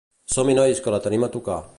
Som-hi nois que la tenim a tocar